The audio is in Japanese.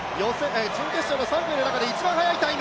準決勝の３組の中で一番速いタイム。